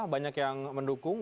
banyak yang mendukung